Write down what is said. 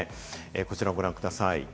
こちらをご覧ください。